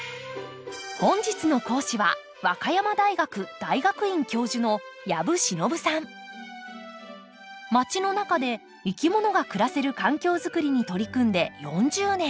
本日の講師は和歌山大学大学院教授のまちの中でいきものが暮らせる環境作りに取り組んで４０年。